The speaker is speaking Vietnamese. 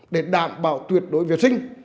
để đảm bảo tuyệt đối vệ sinh